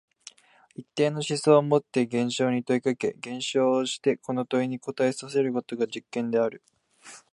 一定の思想をもって現象に問いかけ、現象をしてこの問いに答えさせることが実験である。